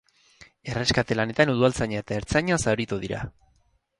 Erreskate lanetan udaltzaina eta ertzaina zauritu dira.